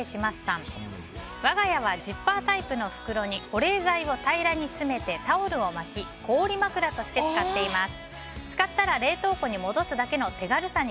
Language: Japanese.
我が家はジッパータイプの袋に保冷剤を平らに詰めてタオルを巻き氷枕として使っています。